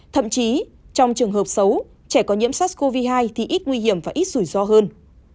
thậm chí trong trường hợp xấu trẻ có nhiễm sars cov hai thì ít nguy hiểm và ít rủi ro hơn